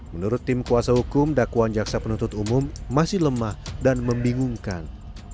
menurut tim kuasa hukum dakwaan jaksa penuntut umum masih lemah dan membingungkan